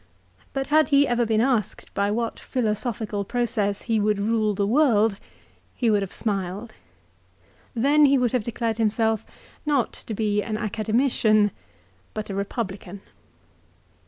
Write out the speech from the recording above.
But had he ever been asked by what philosophical process he would rule the world, he would have smiled. Then he would have declared himself not to be an Academician, but a Eepublican.